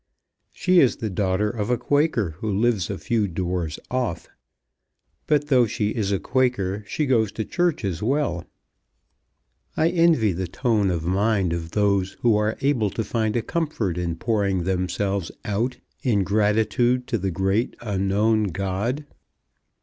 "She is the daughter of a Quaker who lives a few doors off. But though she is a Quaker she goes to church as well. I envy the tone of mind of those who are able to find a comfort in pouring themselves out in gratitude to the great Unknown God."